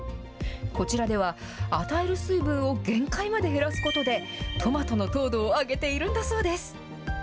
こちらでは、与える水分を限界まで減らすことで、トマトの糖度を上げているんだそうです。